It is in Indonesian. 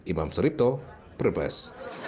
imam suripto perbes